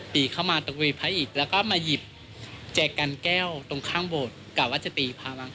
ปิดเข้ามาตะกุยพระอีกแล้วก็มาหยิบแจกกันแก้วตรงข้างบนกะว่าจะตีพระมั้ง